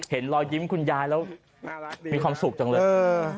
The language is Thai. เห็นรอยยิ้มคุณยายแล้วมีความสุขจังเลย